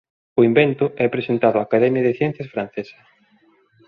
O invento é presentado á Academia de Ciencias francesa.